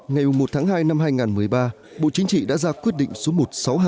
ngày một tháng hai năm hai nghìn một mươi ba bộ chính trị đã ra quyết định số một trăm sáu mươi hai